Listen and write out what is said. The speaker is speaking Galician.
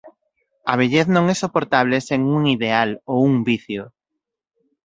A vellez non é soportable sen un ideal ou un vicio.